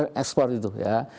kalau dengan pak gerot bagaimana